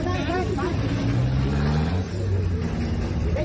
ครับผมได้ได้ได้